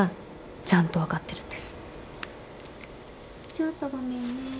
ちょっとごめんね。